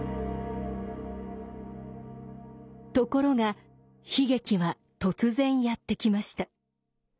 ところが悲劇は突然やって来ました。